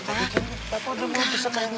enggak enggak pak